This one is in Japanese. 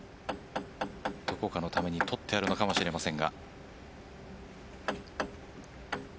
どこかのためにとっているのかもしれません。